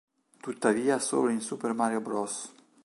Tuttavia solo in "Super Mario Bros.